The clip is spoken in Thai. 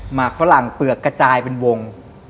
หกฝรั่งเปลือกกระจายเป็นวง